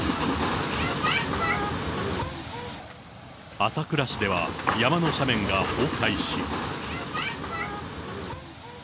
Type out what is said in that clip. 朝倉市では山の斜面が崩壊し。